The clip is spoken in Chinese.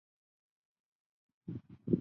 应天府乡试第六名。